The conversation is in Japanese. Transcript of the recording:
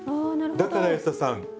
だから保田さん